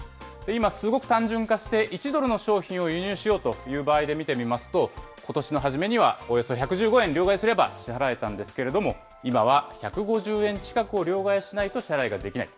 今すごく単純化して、１ドルの商品を輸入しようという場合で見てみますと、ことしの初めには、およそ１１５円両替すれば、支払えたんですけれども、今は１５０円近くを両替しないと支払いができない。